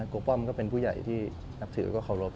ป้อมก็เป็นผู้ใหญ่ที่นับถือแล้วก็เคารพ